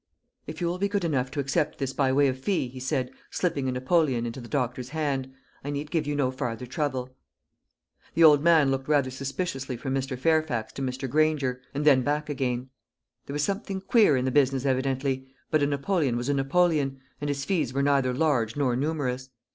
"If you will be good enough to accept this by way of fee," he said, slipping a napoleon into the doctor's hand, "I need give you no farther trouble." The old man looked rather suspiciously from Mr. Fairfax to Mr. Granger and then back again. There was something queer in the business evidently, but a napoleon was a napoleon, and his fees were neither large nor numerous.